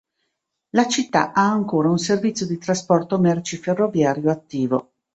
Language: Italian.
La città ha ancora un servizio di trasporto merci ferroviario attivo.